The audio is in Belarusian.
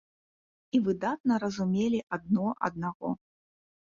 І выдатна разумелі адно аднаго.